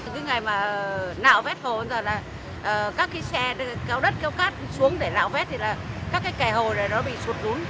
cái ngày mà nạo vét hồ các cái xe kéo đất kéo cát xuống để nạo vét thì là các cái kẻ hồ này nó bị sụt đúng